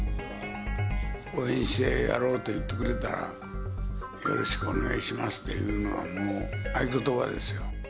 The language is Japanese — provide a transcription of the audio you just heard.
応援してやろうと言ってくれたら、よろしくお願いしますっていうのは、もう、合言葉ですよ。